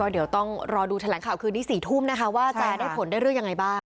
เดี๋ยวต้องรอดูแถลงข่าวคืนนี้๔ทุ่มนะคะว่าจะได้ผลได้เรื่องยังไงบ้าง